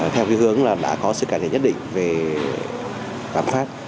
theo hướng đã có sự cải thiện nhất định về bán phát